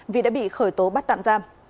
vì đã bị khởi tố bắt tạm giam